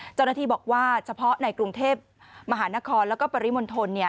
เจ้าหน้าที่บอกว่าเฉพาะในกรุงเทพมหานครแล้วก็ปริมณฑล